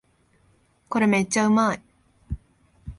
これめっちゃうまい